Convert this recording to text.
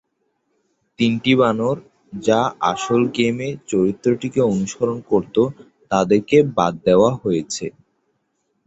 তিনটি বানর যা আসল গেমে চরিত্রটিকে অনুসরণ করত তাদেরকে বাদ দেওয়া হয়েছে।